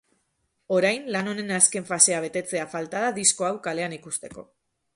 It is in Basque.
Orain, lan honen azken fasea betetzea falta da disko hau kalean ikusteko.